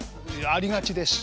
ありがちです。